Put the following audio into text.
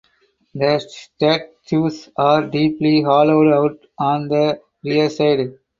The statues are deeply hollowed out on the rear side.